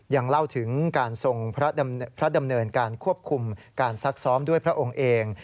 ยังเล่าถึงการทรงพระดำเนินการควบคุมการซักซ้อมด้วยพระองค์เอง